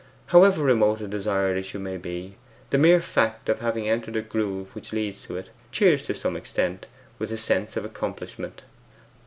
However remote a desired issue may be, the mere fact of having entered the groove which leads to it, cheers to some extent with a sense of accomplishment.